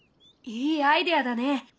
いいアイデアだね！